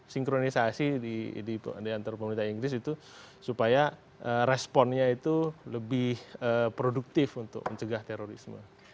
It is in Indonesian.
sinkronisasi di antar pemerintah inggris itu supaya responnya itu lebih produktif untuk mencegah terorisme